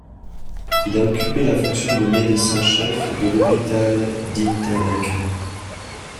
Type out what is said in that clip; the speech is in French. Il a occupé la fonction de médecin-chef de l'hôpital d'Interlaken.